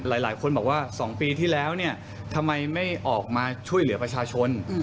หลายคนบอกว่า๒ปีที่แล้วเนี่ยทำไมไม่ออกมาช่วยเหลือประชาชน